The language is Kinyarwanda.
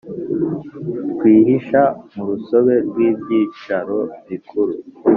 Twihisha murusobe rwibyicaro bikuru